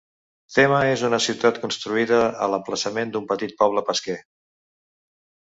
Tema és una ciutat construïda a l'emplaçament d'un petit poble pesquer.